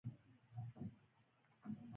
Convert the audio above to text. آیا د کاغذ دستمال تولیدوو؟